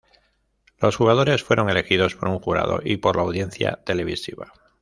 Los jugadores fueron elegidos por un jurado y por la audiencia televisiva.